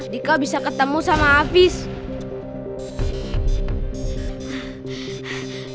dika bisa ketemu sama afiz